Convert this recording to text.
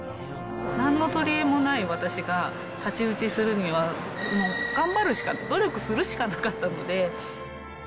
なんのとりえもない私が太刀打ちするには、もう頑張るしか、努力するしかなかったので。